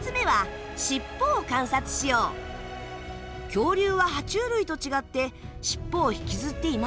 恐竜はは虫類と違って尻尾を引きずっていません。